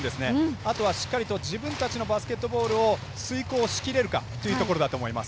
あとはしっかりと自分たちのバスケットボールを遂行しきれるかというところだと思います。